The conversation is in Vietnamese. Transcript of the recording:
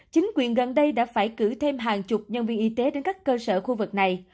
chính quyền gần đây đã phải cử thêm hàng chục nhân viên y tế đến các cơ sở khu vực này